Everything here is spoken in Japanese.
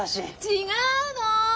違うの！